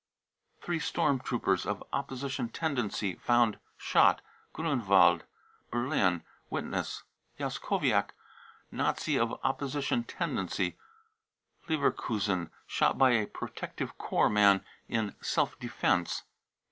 three storm troopers LIST OF MURDERS 351 of opposition tendency found shot, Griinewald, Berlin, (Witness,) jaskowiak, Nazi of opposition tendency, Lever kusen, shot by a protective corps man 44 in self defence."